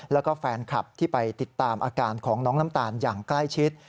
แล้วก็แฟนคลับที่ไปติดตามอาการของน้องน้ำตาลอย่างใกล้ชิด